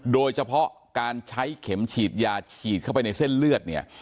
โดยเฉพาะการใช้เข็มฉีดยาฉีดเข้าไปในเส้นเลือดเนี่ย